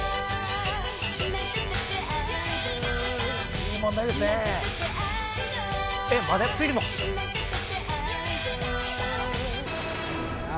いい問題ですねえっ